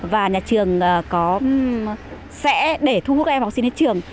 và nhà trường sẽ để thu hút các em học sinh đến trường